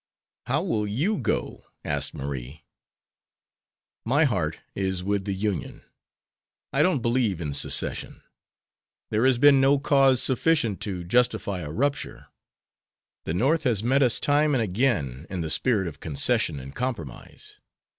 "How will you go?" asked Marie. "My heart is with the Union. I don't believe in secession. There has been no cause sufficient to justify a rupture. The North has met us time and again in the spirit of concession and compromise.